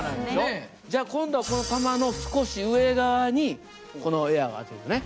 じゃあ今度はこの球の少し上側にこのエアを当てるね。